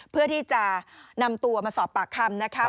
เพื่อที่จะนำตัวมาสอบปากคำนะคะ